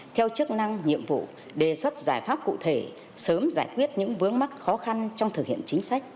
theo chức năng nhiệm vụ đề xuất giải pháp cụ thể sớm giải quyết những vướng mắc khó khăn trong thực hiện chính sách